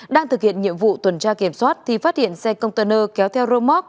đang thực hiện nhiệm vụ tuần tra kiểm soát thì phát hiện xe container kéo theo roadmark